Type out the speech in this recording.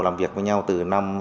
làm việc với nhau từ